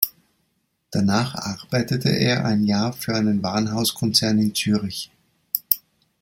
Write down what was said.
Danach arbeitete er ein Jahr für einen Warenhaus-Konzern in Zürich.